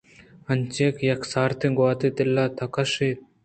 انچیں یک سارتیں گْواتے دل ءِ تہ ءَ کَشّ ایت